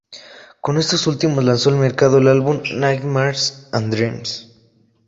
Con estos últimos, lanzó al mercado el álbum "Nightmares and Dreams".